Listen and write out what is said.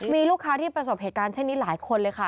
มีลูกค้าที่ประสบเหตุการณ์เช่นนี้หลายคนเลยค่ะ